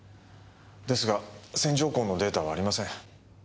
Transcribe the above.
ですが線状痕のデータはありません。